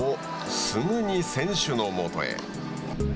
すぐに選手の元へ。